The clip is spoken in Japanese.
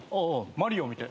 『マリオ』見て。